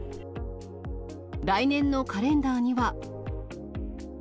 来年のカレンダーには。